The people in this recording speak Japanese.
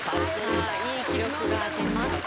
いい記録が出ました。